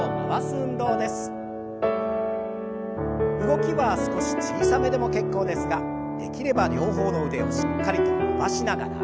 動きは少し小さめでも結構ですができれば両方の腕をしっかりと伸ばしながら。